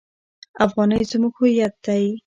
افغانۍ زموږ هویت دی.